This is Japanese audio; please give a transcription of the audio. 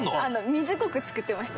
水国作ってました。